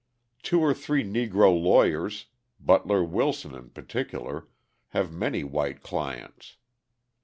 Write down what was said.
Two or three Negro lawyers, Butler Wilson in particular, have many white clients.